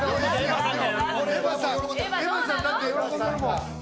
エヴァさん、だって喜んでるもん。